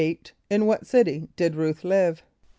= In what city did R[u:]th live?